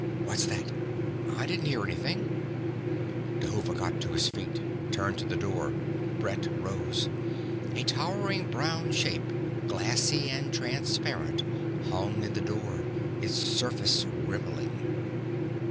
"What's that?" "I didn't hear anything." Dhuva got to his feet, turned to the door. Brett rose. A towering brown shape, glassy and transparent, hung in the door, its surface rippling.